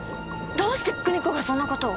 どうして国子がそんな事を？